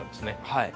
はい。